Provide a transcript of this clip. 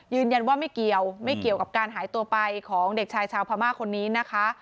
ยืนยันว่าไม่เกี่ยวไม่เกี่ยวกับการหายตัวไปของเด็กชายชาวพม่าคนนี้นะคะ